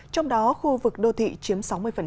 trong đó khu vực đô thị chiếm sáu mươi